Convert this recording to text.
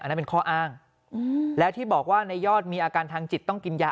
นั่นเป็นข้ออ้างแล้วที่บอกว่าในยอดมีอาการทางจิตต้องกินยา